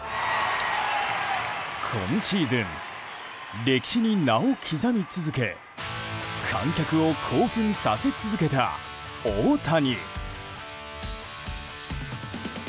今シーズン歴史に名を刻み続け観客を興奮させ続けた大谷。